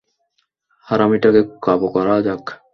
হারামিটাকে কাবু করা যাক।